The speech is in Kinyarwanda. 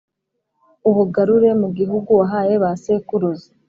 ubagarure mu gihugu wahaye ba sekuruza